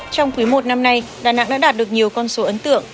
trong quý một năm nay đà nẵng đã đạt được nhiều con số ấn tượng